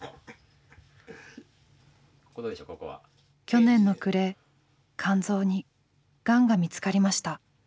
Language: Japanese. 去年の暮れ肝臓にがんが見つかりました。